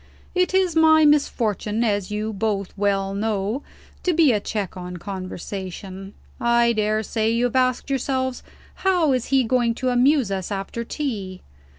"It is my misfortune, as you both well know, to be a check on conversation. I dare say you have asked yourselves: How is he going to amuse us, after tea?